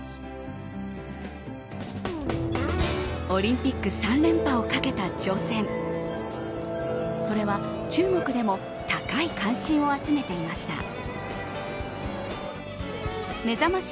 オリンピック３連覇を懸けた挑戦それは中国でも高い関心を集めていました。